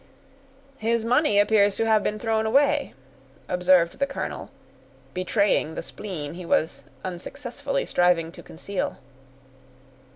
"His money appears to have been thrown away," observed the colonel, betraying the spleen he was unsuccessfully striving to conceal.